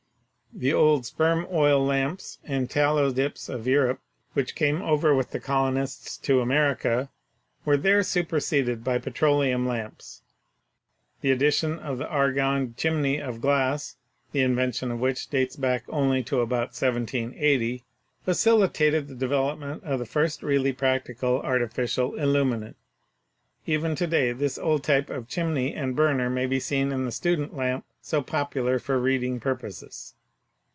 The old sperm oil lamps and tallow dips of Europe which came over with the colonists to America were there superseded by petro leum lamps. The addition of the argand chimney of glass — the invention of which dates back only to about 1780 — facilitated the development of the first really practical ar tificial illuminant. Even to day this old type of chimney and burner may be seen in the 'student lamp,' so popular for reading purposes.